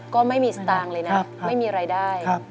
ก็ไม่มีสตางค์เลยนะไม่มีรายได้